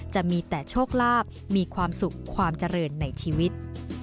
จะมีแต่โชคลาภมีความสุขความเจริญในชีวิต